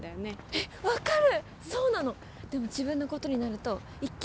えっ、分かる！